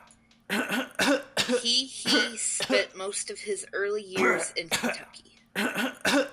He he spent most of his early years in Kentucky.